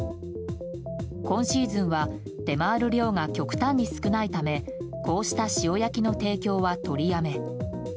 今シーズンは出回る量が極端に少ないためこうした塩焼きの提供は取りやめ。